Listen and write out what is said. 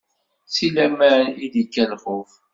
Si laman i d-ikka lxuf.